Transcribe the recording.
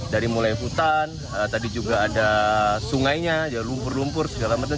dari mulai hutan tadi juga ada sungainya lumpur lumpur segala macam